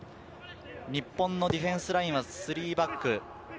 日本のディフェンスラインは３バック。